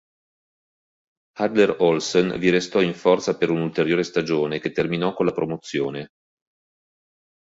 Hadler-Olsen vi restò in forza per un'ulteriore stagione, che terminò con la promozione..